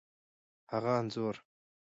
هغه انځور،